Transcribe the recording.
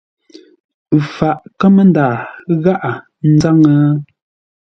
Ə faʼ kámə́nda gháʼa nzáŋə́?